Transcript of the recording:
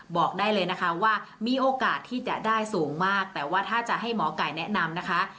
บอกได้เลยนะคะว่ามีโอกาสที่จะได้สูงมากแต่ว่าถ้าจะให้หมอไก่แนะนำนะคะ